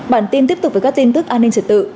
bản tin tiếp tục với các tin tức an ninh trật tự